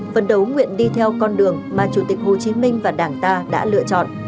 phấn đấu nguyện đi theo con đường mà chủ tịch hồ chí minh và đảng ta đã lựa chọn